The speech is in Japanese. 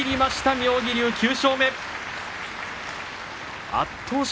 妙義龍、９勝目です。